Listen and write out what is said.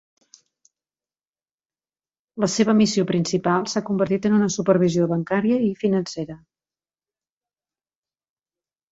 La seva missió principal s'ha convertit en una supervisió bancària i financera.